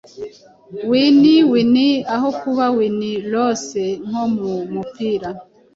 Win-win, aho kuba win-lose nko mu mupira.